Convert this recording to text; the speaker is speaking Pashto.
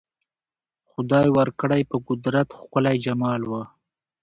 خدای ورکړی په قدرت ښکلی جمال وو